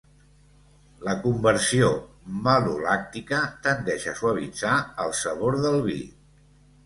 La conversió malolàctica tendeix a suavitzar el sabor del vi.